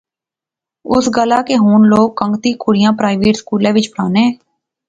اس گلاہ کہ ہن لوک کنگتیں کڑئیں پرائیویٹ سکولیں وچ پڑھانے